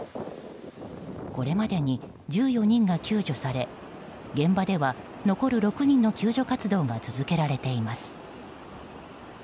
これまでに１４人が救助され現場では残る６人の救助活動が続けられています。